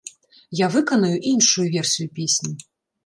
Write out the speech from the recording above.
Я выканаю іншую версію песні.